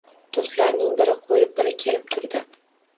Do`stlarining biri qo`yib, biri kelib turdi